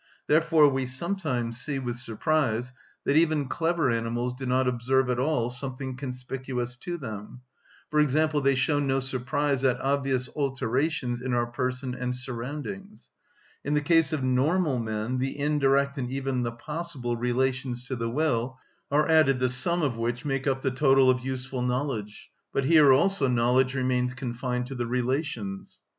Therefore we sometimes see with surprise that even clever animals do not observe at all something conspicuous to them; for example, they show no surprise at obvious alterations in our person and surroundings. In the case of normal men the indirect, and even the possible, relations to the will are added, the sum of which make up the total of useful knowledge; but here also knowledge remains confined to the relations.